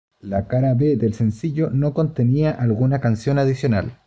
La cara B del sencillo no contenía alguna canción adicional.